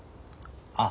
ああ。